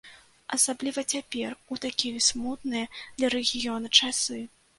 Асабліва цяпер, у такія смутныя для рэгіёна часы.